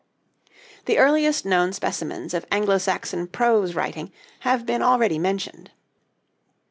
The earliest known specimens of Anglo Saxon prose writing have been already mentioned.